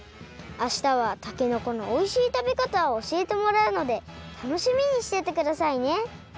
明日はたけのこのおいしいたべかたをおしえてもらうので楽しみにしててくださいね！